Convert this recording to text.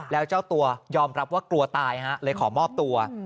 แล้วเจ้าตัวยอมรับว่ากลัวตายเลยขอมอบตัว